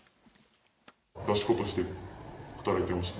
出し子として働いてました。